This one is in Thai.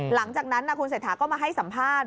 หลังจากนั้นคุณเศรษฐาก็มาให้สัมภาษณ์